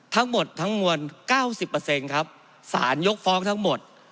ทั้งหมดทั้งมวลเก้าสิบเปอร์เซ็นต์ครับสารยกฟ้องทั้งหมด